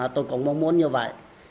tôi cũng mong muốn như vậy